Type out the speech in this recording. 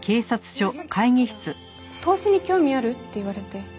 韮崎さんから「投資に興味ある？」って言われて。